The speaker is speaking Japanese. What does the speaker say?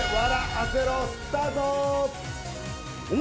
アセろスタート！